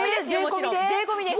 税込みです。